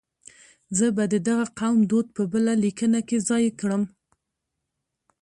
زه به د دغه قوم دود په بله لیکنه کې ځای کړم.